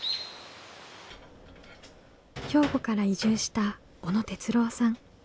兵庫から移住した小野哲郎さん。